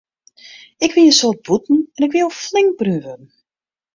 Ik wie in soad bûten en ik wie al flink brún wurden.